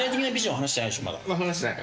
まだ話してない。